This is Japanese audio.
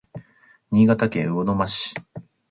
新潟県魚沼市